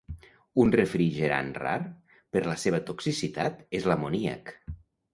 Un refrigerant rar, per la seva toxicitat, és l'amoníac.